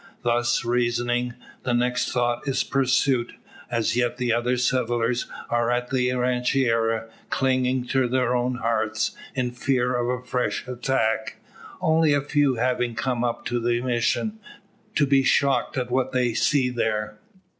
Thus reasoning, the next thought is pursuit. As yet the other settlers are at the rancheria, clinging to their own hearths, in fear of a fresh attack, only a few having come up to the Mission, to be shocked at what they see there.